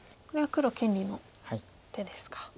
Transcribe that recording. これは黒権利の手ですか。